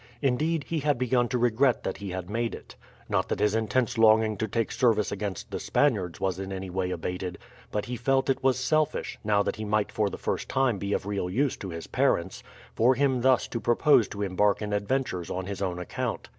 Indeed, he had begun to regret that he had made it. Not that his intense longing to take service against the Spaniards was in any way abated, but he felt it was selfish, now that he might for the first time be of real use to his parents, for him thus to propose to embark in adventures on his own account.